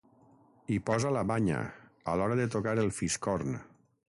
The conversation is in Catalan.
Hi posa la banya, a l'hora de tocar el fiscorn.